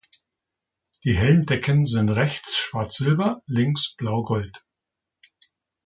Die Helmdecken sind rechts schwarz-silber, links blau-gold.